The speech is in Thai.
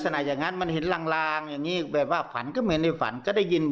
นั่นแหละครับ